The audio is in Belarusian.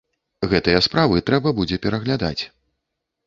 Гэтыя справы трэба будзе пераглядаць.